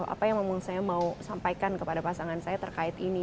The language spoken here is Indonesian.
apa yang saya mau sampaikan kepada pasangan saya terkait ini